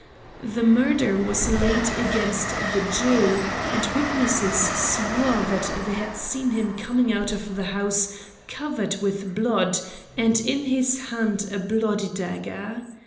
The murder was laid against the Jew, and witnesses swore that they had seen him coming out of the house covered with blood, and in his hand a bloody dagger.